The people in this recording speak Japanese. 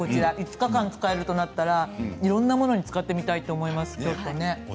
５日間使えるとなったらいろいろなものに使ってみたいと思います。